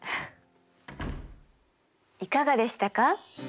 いかがでしたか？